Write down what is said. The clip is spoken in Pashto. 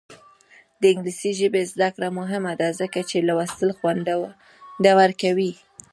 د انګلیسي ژبې زده کړه مهمه ده ځکه چې لوستل خوندور کوي.